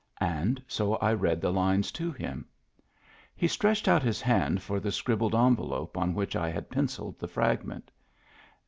And so I read the lines to him. He stretched out his hand for the scribbled envelope on which I had pencilled the fragment.